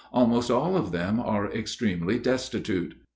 Almost all of them are extremely destitute.